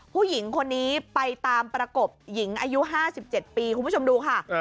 ผู้หญิงคนนี้ไปตามประกบหญิงอายุ๕๗ปีคุณผู้ชมดูค่ะ